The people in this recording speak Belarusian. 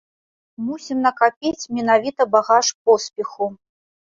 Мусім накапіць менавіта багаж поспеху.